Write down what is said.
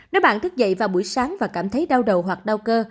nếu bạn thức dậy vào buổi sáng và cảm thấy đau đầu hoặc đau cơ